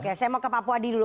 oke saya mau ke pak puadi dulu